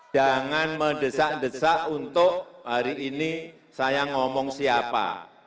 jangan mendesak desak untuk hari ini saya ngomong siapa